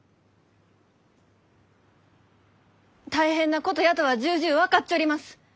大変なことやとは重々分かっちょります。